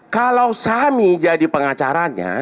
kalau sani jadi pengacaranya